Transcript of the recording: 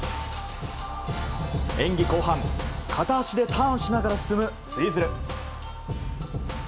演技後半、片足でターンしながら進むツイズル。